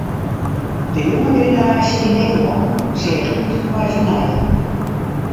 De jonge generaasje yn Nederlân seach út nei fernijing.